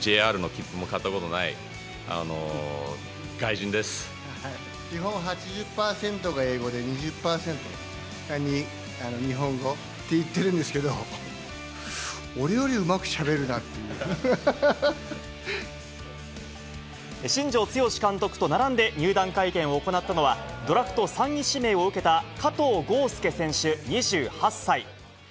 基本８０％が英語で、２０％日本語って言ってるんですけど、俺よりうまくしゃべるなっ新庄剛志監督と並んで入団会見を行ったのは、ドラフト３位指名を受けた加藤豪将選手２８歳。